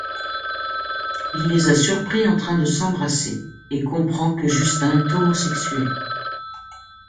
Ils les a surpris en train de s'embrasser et comprend que Justin est homosexuel.